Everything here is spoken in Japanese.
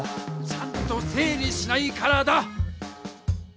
ちゃんと整理しないからだ！